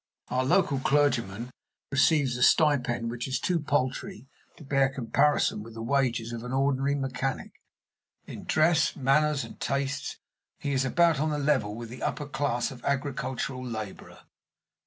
Our local clergyman receives a stipend which is too paltry to bear comparison with the wages of an ordinary mechanic. In dress, manners, and tastes he is about on a level with the upper class of agricultural laborer.